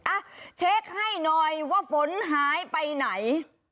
อ่ะเช็คให้หน่อยว่าฝนหายไปไหน